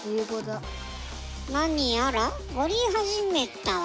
何やら折り始めたわね。